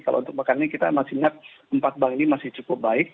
kalau untuk pekan ini kita masih lihat empat bank ini masih cukup baik